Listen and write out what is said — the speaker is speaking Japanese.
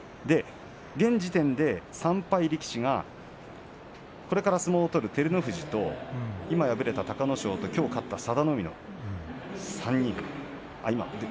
現時点で３敗力士がこれから相撲を取る照ノ富士と今、敗れた隆の勝きょう勝った佐田の海、３人です。